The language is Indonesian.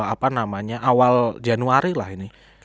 apa namanya awal januari lah ini